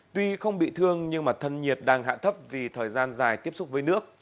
tuy không bị thương nhưng thân nhiệt đang hạ thấp vì thời gian dài tiếp xúc với nước